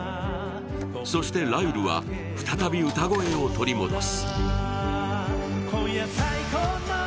そして、ライルは再び歌声を取り戻す。